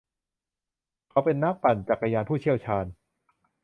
เขาเป็นนักปั่นจักรยานผู้เชี่ยวชาญ